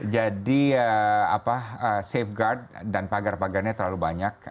jadi safeguard dan pagar pagarnya terlalu banyak